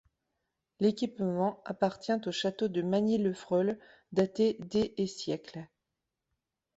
L'équipement appartient au château de Magny-le-Freule, daté des et siècles.